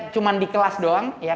cuma di kelas doang